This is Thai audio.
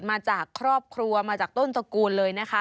มาจากครอบครัวมาจากต้นตระกูลเลยนะคะ